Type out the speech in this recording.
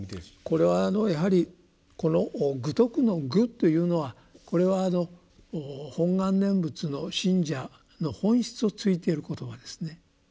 これはやはりこの「愚禿」の「愚」というのはこれは「本願念仏」の信者の本質をついている言葉ですね。